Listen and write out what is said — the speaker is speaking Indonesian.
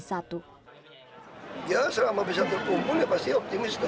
ya serama bisa terkumpul ya pasti optimis